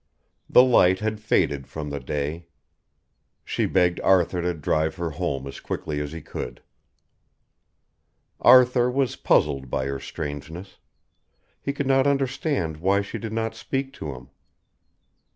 The light had faded from the day. She begged Arthur to drive her home as quickly as he could. Arthur was puzzled by her strangeness. He could not understand why she did not speak to him.